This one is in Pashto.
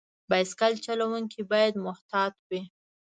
بایسکل چلونکي باید محتاط وي.